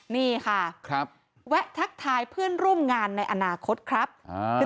นี่ค่ะแวะทักทายเพื่อนร่วมงานในอนาคตครับ